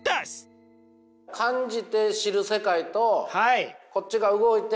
感じて知る世界とこっちが動いて。